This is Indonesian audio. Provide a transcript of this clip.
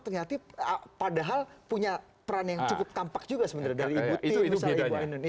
ternyata padahal punya peran yang cukup tampak juga sebenarnya dari ibu tim misalnya ibu indonesia